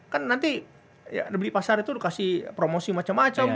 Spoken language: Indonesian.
ya kan beli pasar itu nanti ditewasi promosi macem macem lah